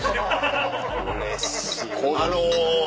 うれしいな。